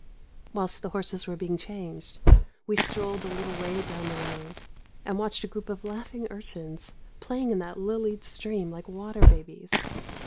Whilst the horses were being changed, we strolled a little way down the road, and watched a group of laughing urchins, playing in that lilied stream like water babies.